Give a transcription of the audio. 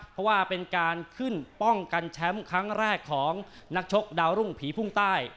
เพราะว่าเป็นการขึ้นป้องกันแชมป์ครั้งแรกของนักชกดาวรุ่งผีพุ่งใต้